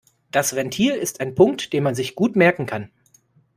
Das Ventil ist ein Punkt, den man sich gut merken kann.